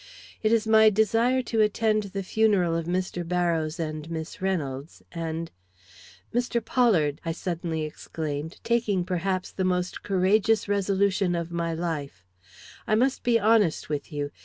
"It is my desire to attend the funeral of Mr. Barrows and Miss Reynolds, and Mr. Pollard!" I suddenly exclaimed, taking perhaps the most courageous resolution of my life, "I must be honest with you.